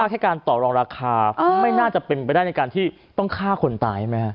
แค่การต่อรองราคาไม่น่าจะเป็นไปได้ในการที่ต้องฆ่าคนตายใช่ไหมฮะ